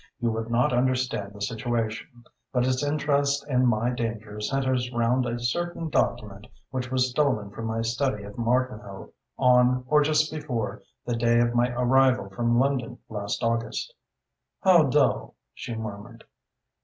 "You would not understand the situation, but its interest and my danger centres round a certain document which was stolen from my study at Martinhoe on or just before the day of my arrival from London last August." "How dull!" she murmured.